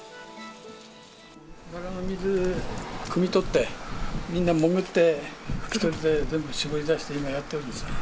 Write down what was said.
中の水くみ取って、みんな潜って、拭き取って、全部絞り出して、今やっております。